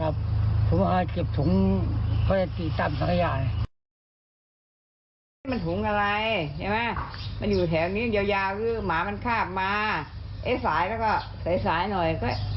คับผมเอาให้เจ็บถุงพณฑิตามมันสักอย่าง